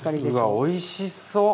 うわおいしそう。